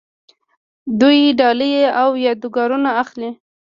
دوی ډالۍ او یادګارونه اخلي.